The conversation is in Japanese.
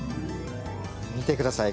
見てください！